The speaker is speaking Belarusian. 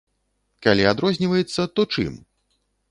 Калі адрозніваецца, то чым?